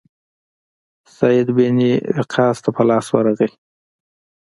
سعد بن وقاص ته په لاس ورغی.